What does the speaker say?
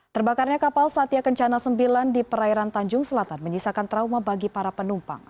terbakarnya kapal satya kencana sembilan di perairan tanjung selatan menyisakan trauma bagi para penumpang